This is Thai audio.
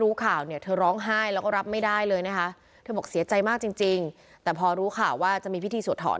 รับไม่ได้เลยนะฮะเธอบอกเสียใจมากจริงแต่พอรู้ข่าวว่าจะมีพิธีสวดถอน